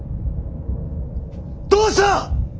どうした！